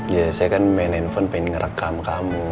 ya saya kan main handphone pengen ngerekam kamu